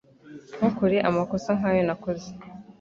Ntukore amakosa nkayo nakoze